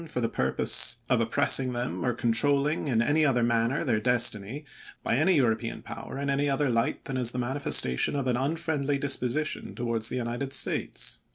for the purpose of oppressing them, or controlling in any other manner their destiny, by any European power in any other light than as the manifestation of an unfriendly disposition towards the United States."